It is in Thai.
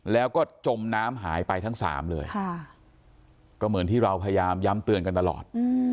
แล้วก็จมน้ำหายไปทั้งสามเลยก็เหมือนที่เราพยายามย้ำเตือนกันตลอด